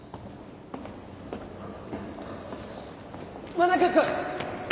真中君！